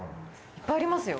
いっぱいありますよ。